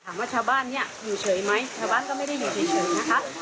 ชาวบ้านเนี่ยอยู่เฉยไหมชาวบ้านก็ไม่ได้อยู่เฉยนะคะ